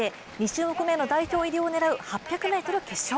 ２種目めの代表入りを狙う８００ｍの決勝。